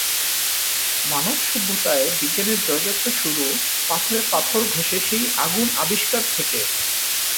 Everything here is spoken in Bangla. মানব সভ্যতায় বিজ্ঞানের জয়যাত্রা শুরু পাথরে পাথর ঘষে সেই আগুন আবিষ্কার থেকে।